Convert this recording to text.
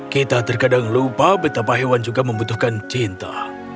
kita terkadang lupa betapa hewan juga membutuhkan cinta